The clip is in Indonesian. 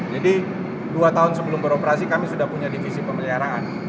dua tahun sebelum beroperasi kami sudah punya divisi pemeliharaan